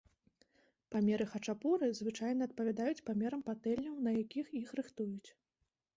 Памеры хачапуры звычайна адпавядаюць памерам патэльняў, на якіх іх рыхтуюць.